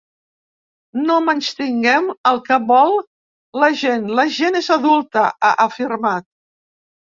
No menystinguem el que vol la gent, la gent és adulta, ha afirmat.